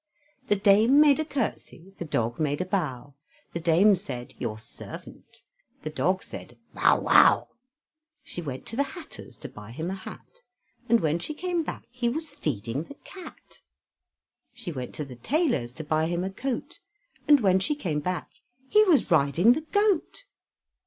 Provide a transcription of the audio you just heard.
The dame made a curtsy, the dog made a bow, The dame said "your servant," the dog said "Bow wow." She went to the hatter's to buy him a hat, And when she came back he was feeding the cat. She went to the tailor's to buy him a coat, And when she came back he was riding the goat.